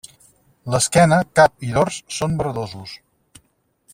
L'esquena, cap i dors són verdosos.